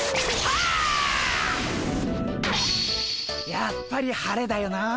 やっぱり晴れだよなあ。